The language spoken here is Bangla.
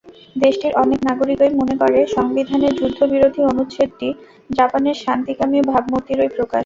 দেশটির অনেক নাগরিকই মনে করে, সংবিধানের যুদ্ধবিরোধী অনুচ্ছেদটি জাপানের শান্তিকামী ভাবমূর্তিরই প্রকাশ।